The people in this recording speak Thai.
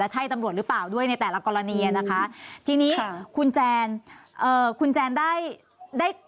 ใช่ตำรวจหรือเปล่าด้วยในแต่ละกรณีอ่ะนะคะทีนี้คุณแจนเอ่อคุณแจนได้ได้